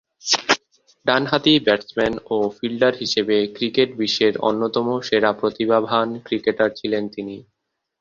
ডানহাতি ব্যাটসম্যান ও ফিল্ডার হিসেবে ক্রিকেট বিশ্বের অন্যতম সেরা প্রতিভাবান ক্রিকেটার ছিলেন তিনি।